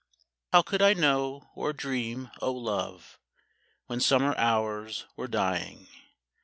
How could I know or dream, O love. When summer hours were dying.